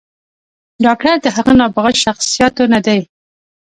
“ډاکتر د هغه نابغه شخصياتو نه دے